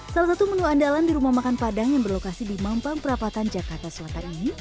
salah satu menu andalan di rumah makan padang yang berlokasi di mampang perapatan jakarta selatan ini